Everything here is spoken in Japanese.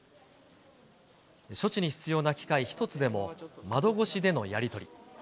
処置に必要な機械一つでも窓越しでのやり取り。